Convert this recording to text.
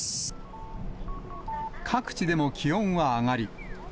各地でも気温は上がり。